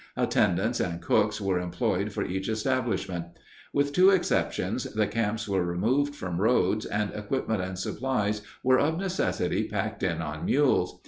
Attendants and cooks were employed for each establishment. With two exceptions, the camps were removed from roads, and equipment and supplies were of necessity packed in on mules.